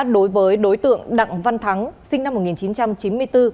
đối với đối tượng đặng văn thắng sinh năm một nghìn chín trăm chín mươi bốn